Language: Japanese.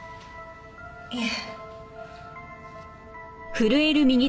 いえ。